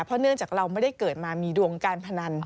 เพราะเนื่องจากเราไม่ได้เกิดมามีดวงการพนัน